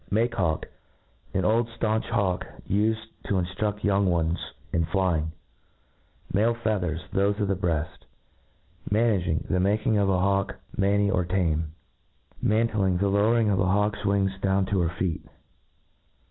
MakC'ha^^k ; an eld ftaunch hawk, ufed to in^ ftrua young ones in flying Malc fcathers i thofe on the breaft Managing j the making of a hawk manny or ' tame Mantling j the lowering of a hawk's witigs down to her feet.